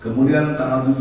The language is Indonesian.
kemudian tanggal tujuh belas